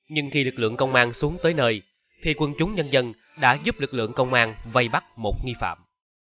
nhưng khi lực lượng công an xuống tới nơi thì quân chúng nhân dân đã giúp lực lượng công an vây bắt một nghi phạm